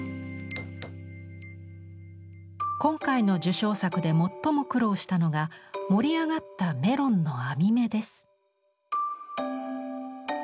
今回の受賞作で最も苦労したのが盛り上がったメロンの網目です。